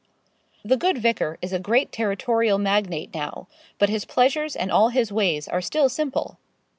The good vicar is a great territorial magnate now; but his pleasures and all his ways are still simple.